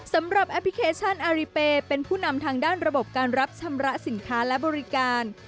แอปพลิเคชันอาริเปย์เป็นผู้นำทางด้านระบบการรับชำระสินค้าและบริการ